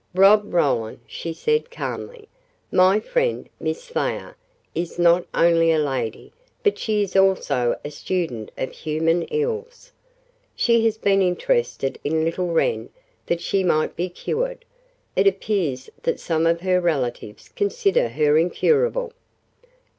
"Rob Roland," she said calmly, "my friend, Miss Thayer, is not only a lady, but she is also a student of human ills. She has been interested in little Wren that she might be cured. It appears that some of her relatives consider her incurable."